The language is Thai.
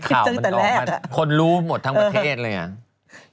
จังงแต่แรกอะมันออกมาคนรู้หมดทั้งประเทศเลยอย่างนั้น